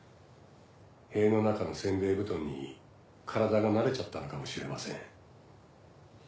塀の中の煎餅布団に体が慣れちゃったのかもしれません。